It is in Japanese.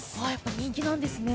人気なんですね。